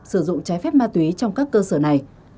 sử dụng trái phép ma túy trong các cơ sở này